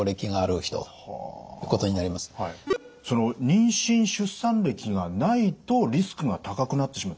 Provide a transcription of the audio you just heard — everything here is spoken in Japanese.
妊娠・出産歴がないとリスクが高くなってしまうと。